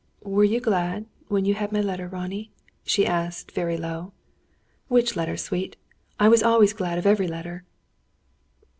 "Were you glad when you had my letter, Ronnie?" she asked, very low. "Which letter, sweet? I was always glad of every letter."